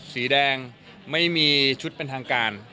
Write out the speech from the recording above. สีแดงไม่มีชุดเป็นทางการ